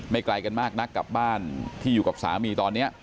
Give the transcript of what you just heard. ไกลกันมากนักกับบ้านที่อยู่กับสามีตอนนี้